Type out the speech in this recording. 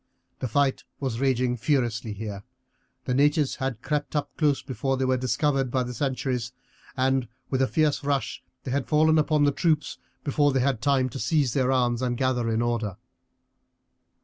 The fight was raging furiously here. The natives had crept up close before they were discovered by the sentries, and with a fierce rush they had fallen upon the troops before they had time to seize their arms and gather in order.